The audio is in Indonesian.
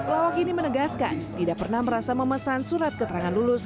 lawak ini menegaskan tidak pernah merasa memesan surat keterangan lulus